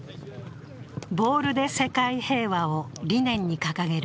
ボールで世界平和を理念に掲げる